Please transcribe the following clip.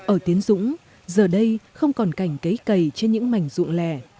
ở tiến dũng giờ đây không còn cảnh cấy cầy trên những mảnh ruộng lẻ